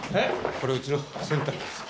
これうちの洗濯機。